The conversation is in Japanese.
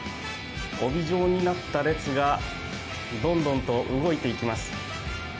帯状になった列がどんどんと動いていきます。